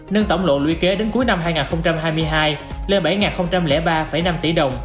nâng tổng lượng lũy kế đến cuối năm hai nghìn hai mươi hai lên bảy ba năm tỷ đồng